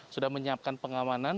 sudah menyiapkan pengamanan